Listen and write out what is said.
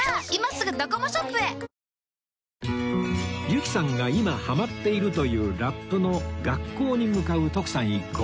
由紀さんが今ハマっているというラップの学校に向かう徳さん一行